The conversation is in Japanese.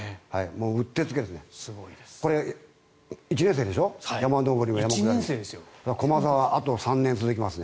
うってつけですね。